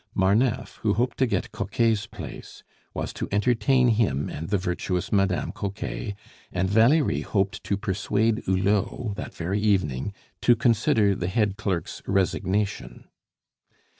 Marneffe, who hoped to get Coquet's place, was to entertain him and the virtuous Madame Coquet, and Valerie hoped to persuade Hulot, that very evening, to consider the head clerk's resignation.